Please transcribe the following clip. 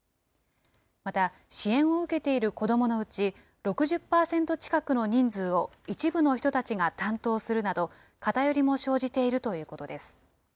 また、支援を受けている子どものうち、６０％近くの人数を一部の人たちが担当するなど、偏りも生じているということです。